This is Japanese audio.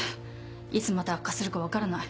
いつまた悪化するか分からない。